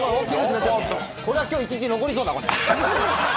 これは今日一日残りそうだ。